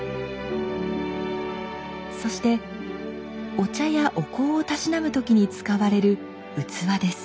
そしてお茶やお香をたしなむ時に使われる器です。